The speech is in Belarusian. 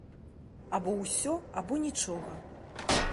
Або ўсё, або нічога.